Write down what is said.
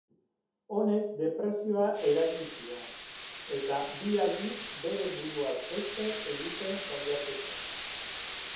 Honek depresioa eragin zion eta bi aldiz bere buruaz beste egiten saiatu zen.